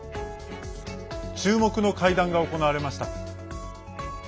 注目の会談が行われました。